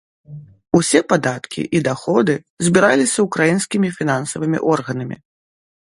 Усе падаткі і даходы збіраліся ўкраінскімі фінансавымі органамі.